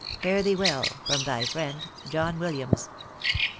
" Fare thee well, " From thy friend, " John Williams.